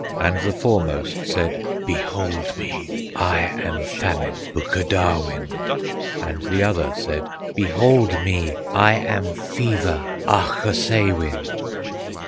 And the foremost said: "Behold me! I am Famine, Bukadawin!" And the other said: "Behold me! I am Fever, Ahkosewin!"